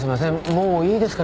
もういいですかね？